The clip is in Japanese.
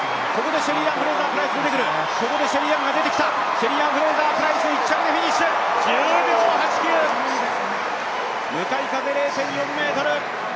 シェリーアン・フレイザープライス１着でフィニッシュ、１０秒８９、向かい風０．４メートル。